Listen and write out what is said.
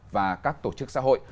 và các tổ chức xã hội